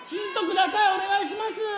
おねがいします！